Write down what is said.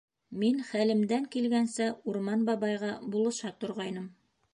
Мин, хәлемдән килгәнсә, Урман бабайға булыша торғайным.